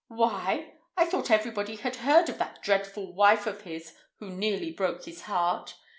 "Why? I thought everybody had heard of that dreadful wife of his who nearly broke his heart.